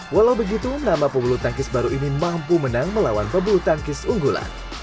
walau begitu nama pembuluh tangis baru ini mampu menang melawan pembuluh tangis unggulan